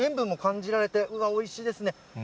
しっかりと塩分も感じられて、うわ、おいしいですね。